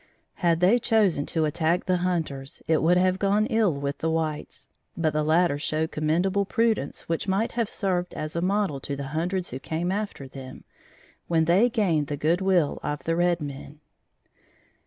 Had they chosen to attack the hunters, it would have gone ill with the whites, but the latter showed commendable prudence which might have served as a model to the hundreds who came after them, when they gained the good will of the red men.